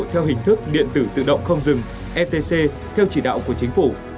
theo hình thức điện tử tự động không dừng etc theo chỉ đạo của chính phủ